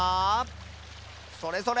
それそれ！